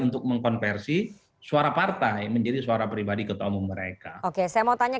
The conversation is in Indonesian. untuk mengkonversi suara partai menjadi suara pribadi ketua umum mereka oke saya mau tanya